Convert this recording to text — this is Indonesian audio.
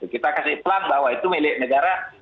kita kasih pelan bahwa itu milik negara